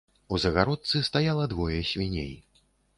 У загародцы стаяла двое свіней.